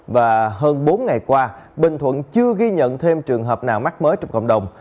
và hơn bốn ngày qua bình thuận chưa ghi nhận thêm trường hợp nào mắc mới trong cộng đồng